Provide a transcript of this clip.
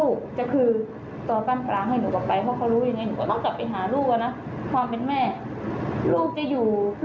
ก็กูขอให้มึงแลลูกไม่ได้หรอ